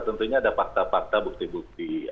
tentunya ada fakta fakta bukti bukti